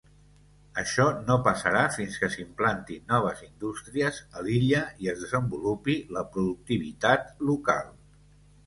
Això no passarà fins que s'implantin noves indústries a l'illa i es desenvolupi la productivitat local.